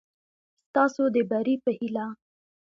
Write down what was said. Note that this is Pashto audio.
ستاسو د بري په هېله